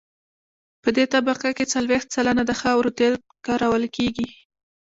په دې طبقه کې څلویښت سلنه د خاورو تیل کارول کیږي